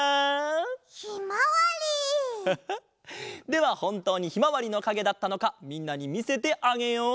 ではほんとうにひまわりのかげだったのかみんなにみせてあげよう！